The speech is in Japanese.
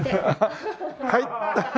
はい。